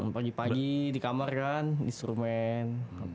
pagi pagi di kamar kan instrumen